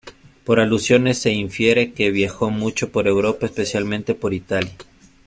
Por alusiones se infiere que viajó mucho por Europa, especialmente por Italia.